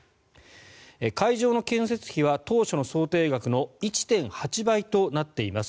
会場の建設費は当初の想定額の１．８倍となっています。